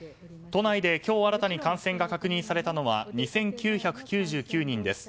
都内で今日新たに感染が確認されたのは２９９９人です。